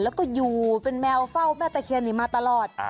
แล้วก็อยู่เป็นแมวเฝ้าแม่ตะเคียนนี้มาตลอด